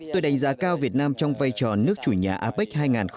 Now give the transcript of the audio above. tôi đánh giá cao việt nam trong vai trò nước chủ nhà apec hai nghìn một mươi bảy